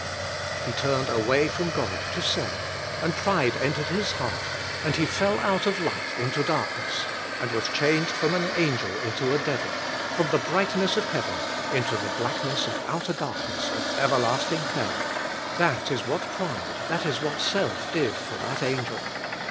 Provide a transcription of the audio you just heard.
He turned away from God to self and pride entered his heart, and he fell out of light into darkness, and was changed from an angel into a devil, from the brightness of heaven into the blackness and outer darkness of everlasting hell. That is what pride, that is what self did for that angel.